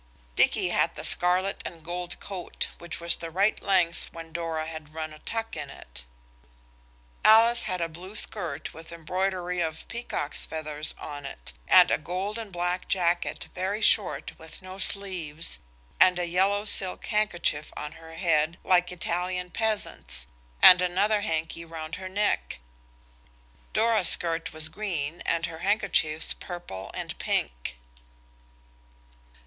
Dicky had the scarlet and gold coat, which was the right length when Dora had run a tuck in it. Alice had a blue skirt with embroidery of peacock's feathers on it, and a gold and black jacket very short with no sleeves, and a yellow silk handkerchief on her head like Italian peasants, and another handkie round her neck. Dora's skirt was green and her handkerchiefs purple and pink.